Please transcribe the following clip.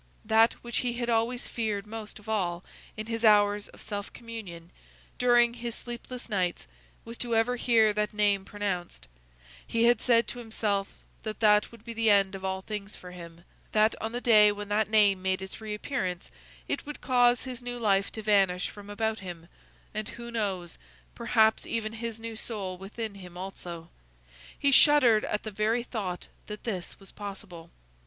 That which he had always feared most of all in his hours of self communion, during his sleepless nights, was to ever hear that name pronounced; he had said to himself, that that would be the end of all things for him; that on the day when that name made its reappearance it would cause his new life to vanish from about him, and—who knows?—perhaps even his new soul within him, also. He shuddered at the very thought that this was possible.